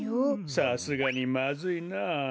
さすがにまずいな。